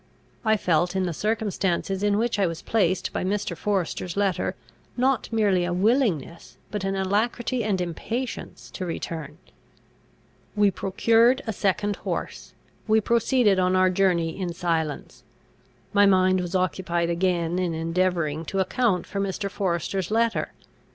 I felt, in the circumstances in which I was placed by Mr. Forester's letter, not merely a willingness, but an alacrity and impatience, to return. We procured a second horse. We proceeded on our journey in silence. My mind was occupied again in endeavouring to account for Mr. Forester's letter.